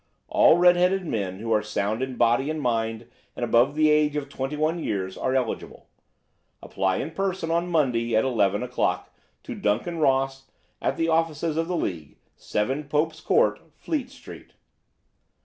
All red headed men who are sound in body and mind and above the age of twenty one years, are eligible. Apply in person on Monday, at eleven o'clock, to Duncan Ross, at the offices of the League, 7 Pope's Court, Fleet Street."